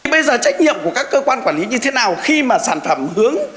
bây giờ trách nhiệm của các cơ quan quản lý như thế nào khi mà sản phẩm hướng